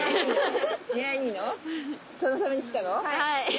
はい。